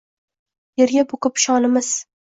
Yerga bukib shonimiz